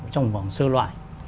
trong vòng sơ loại